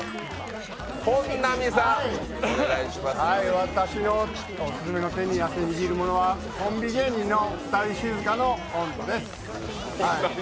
私のオススメの手に汗握るものはコンビ芸人のフタリシズカのコントです。